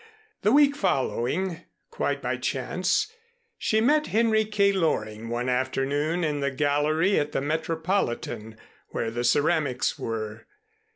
The week following, quite by chance she met Henry K. Loring one afternoon in the gallery at the Metropolitan where the ceramics were.